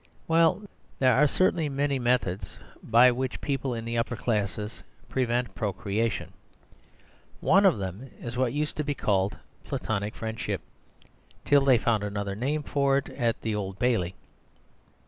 Well, there are certainly many methods by which people in the upper classes prevent procreation; one of them is what used to be called "platonic friendship," till they found another name for it at the Old Bailey.